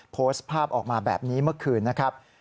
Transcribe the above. โพสต์ภาพออกมาแบบนี้เมื่อคืนนะครับ